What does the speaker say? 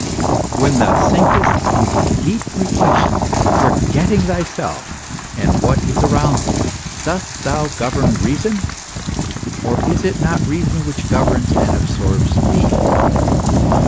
When thou sinkest into deep reflection, forgetting thyself and what is around thee, dost thou govern reason, or is it not reason which governs and absorbs thee?